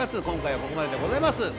今回はここまででございます